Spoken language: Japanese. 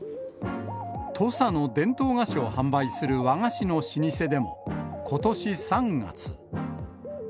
土佐の伝統菓子を販売する和菓子の老舗でも、ことし３月。